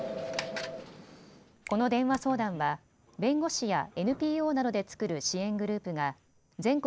この電話相談は弁護士やＮＰＯなどで作る支援グループが全国